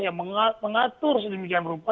yang mengatur sedemikian rupa